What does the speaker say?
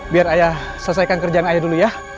biar ayah selesaikan kerjaan ayah dulu ya